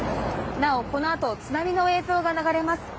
なお、このあと津波の映像が流れます。